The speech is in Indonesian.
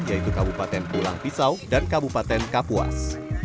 yaitu kabupaten pulang pisau dan kabupaten kapuas